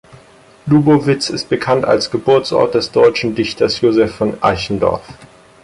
Lubowitz ist bekannt als Geburtsort des deutschen Dichters Joseph von Eichendorff.